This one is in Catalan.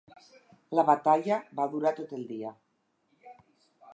La batalla va durar tot el dia.